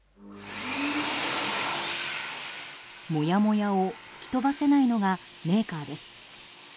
もやもやを吹き飛ばせないのがメーカーです。